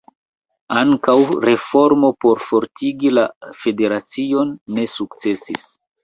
Ankaŭ reformo por fortigi la federacion ne sukcesis.